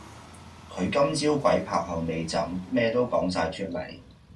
佢今朝鬼拍後背枕咩都講哂出黎